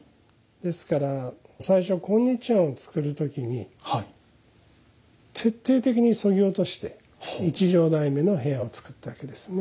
ですから最初今日庵を作る時に徹底的にそぎ落として一畳台目の部屋を作ったわけですね。